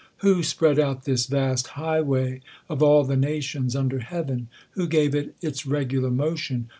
Who spread out this vast highway of all the nations under heaven ? Who gave it its regular motion